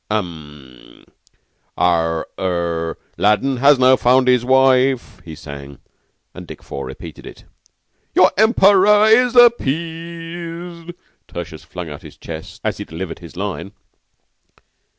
"Um! Ah! Er 'Aladdin now has won his wife,'" he sang, and Dick Four repeated it. "'Your Emperor is appeased.'" Tertius flung out his chest as he delivered his line.